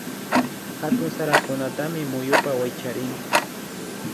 Hatun sarakunatami muyupa wakaychirin